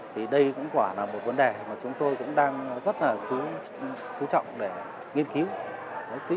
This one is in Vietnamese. thì đây cũng quả là một vấn đề mà chúng tôi cũng đang rất là chú trọng để nghiên cứu